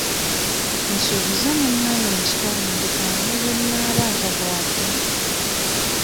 Nsuubiza munnange nti tolindekawo ne bwe nnaaba njavuwadde.